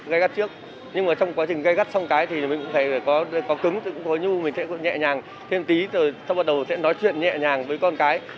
gây gắt trước nhưng mà trong quá trình gây gắt xong cái thì mình cũng thấy có cứng có như mình sẽ nhẹ nhàng thêm tí rồi sau bắt đầu sẽ nói chuyện nhẹ nhàng với con cái